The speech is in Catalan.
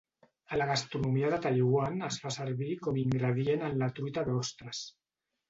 A la gastronomia de Taiwan es fa servir com ingredient en la truita d'ostres.